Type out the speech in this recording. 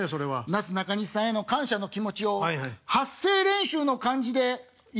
「なすなかにしさんへの感謝の気持ちを発声練習の感じで言いたいと思います」。